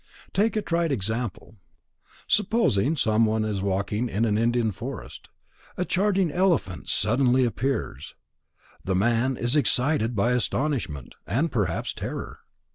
Take a trite example. Supposing one is walking in an Indian forest. A charging elephant suddenly appears. The man is excited by astonishment, and, perhaps, terror.